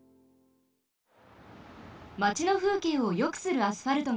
マチのふうけいをよくするアスファルトがあります。